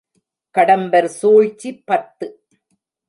கடம்பர் சூழ்ச்சி பத்து.